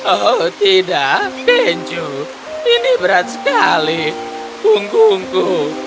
oh tidak benjo ini berat sekali punggungku